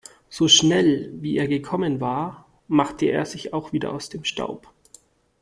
So schnell, wie er gekommen war, machte er sich auch wieder aus dem Staub.